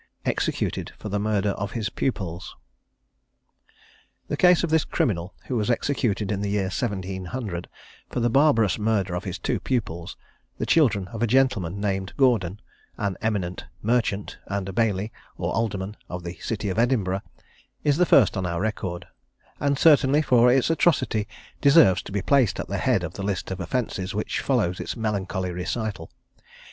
EXECUTED FOR THE MURDER OF HIS PUPILS. The case of this criminal, who was executed in the year 1700, for the barbarous murder of his two pupils, the children of a gentleman named Gordon, an eminent merchant, and a baillie, or alderman of the City of Edinburgh, is the first on our record; and, certainly, for its atrocity, deserves to be placed at the head of the list of offences which follows its melancholy recital.